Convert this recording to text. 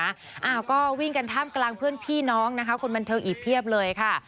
อ้าวก็วิ่งกันท่ามกลางเพื่อนพี่น้องนะคะคนบันเทิงอีกเพียบเลยค่ะ